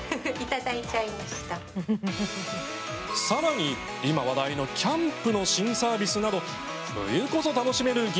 さらに、今、話題のキャンプの新サービスなど冬こそ楽しめる